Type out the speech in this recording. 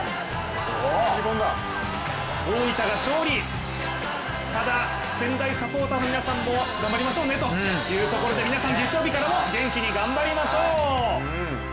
大分が勝利、ただ仙台サポーターの皆さんも頑張りましょうねということで皆さん、月曜日からも元気に頑張りましょう！